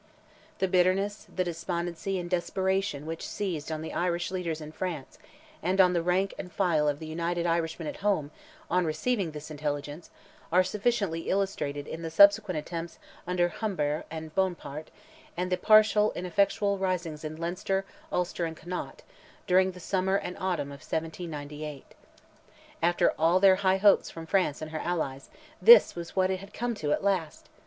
The bitterness, the despondency, and desperation which seized on the Irish leaders in France, and on the rank and file of the United Irishmen at home, on receiving this intelligence are sufficiently illustrated in the subsequent attempts under Humbert and Bompart, and the partial, ineffectual risings in Leinster, Ulster, and Connaught, during the summer and autumn of 1798. After all their high hopes from France and her allies, this was what it had come to at last!